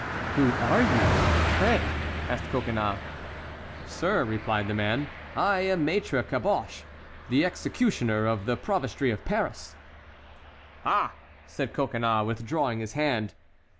"Who are you, pray?" asked Coconnas. "Sir," replied the man, "I am Maître Caboche, the executioner of the provostry of Paris"— "Ah"—said Coconnas, withdrawing his hand.